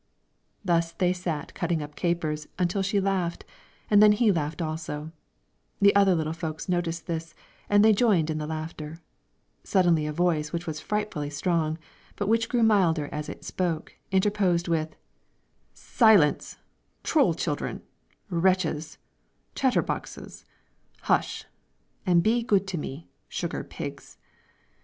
Thus they sat cutting up capers until she laughed, and then he laughed also; the other little folks noticed this, and they joined in the laughter; suddenly a voice which was frightfully strong, but which grew milder as it spoke, interposed with, "Silence, troll children, wretches, chatter boxes! hush, and be good to me, sugar pigs!"